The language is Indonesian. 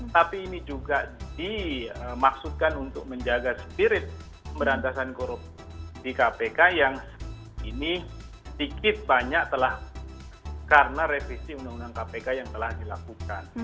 tapi ini juga dimaksudkan untuk menjaga spirit pemberantasan korupsi di kpk yang ini sedikit banyak telah karena revisi undang undang kpk yang telah dilakukan